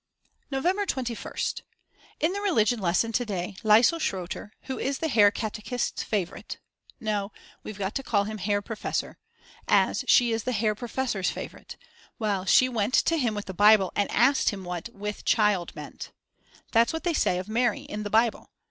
November 21st. In the religion lesson to day Lisel Schrotter who is the Herr Catechist's favourite, no we've got to call him Herr Professor, as she is the Herr Professor's favourite, well she went to him with the Bible and asked him what with child meant. That's what they say of Mary in the Bible.